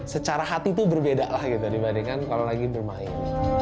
secara hati itu berbeda lah gitu dibandingkan kalau lagi bermain